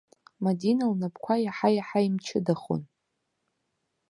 Мадина лнапқәа иаҳа-иаҳа имчыдахон.